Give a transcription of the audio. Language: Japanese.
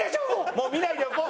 もう見ないでおこう。